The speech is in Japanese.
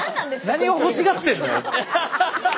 何を欲しがってんのよ。